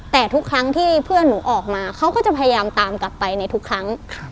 แต่ทุกครั้งที่เพื่อนหนูออกมาเขาก็จะพยายามตามกลับไปในทุกครั้ง